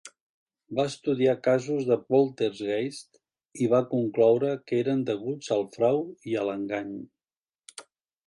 Va estudiar casos de "poltergeists" i va concloure que eren deguts al frau i a l'engany.